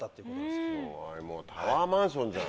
すごいもうタワーマンションじゃん。